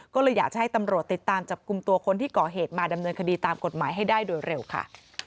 ก็เลยอยากจะให้ตำรวจติดตามจับกลุ่มตัวคนที่ก่อเหตุมาดำเนินคดีตามกฎหมายให้ได้โดยเร็วค่ะ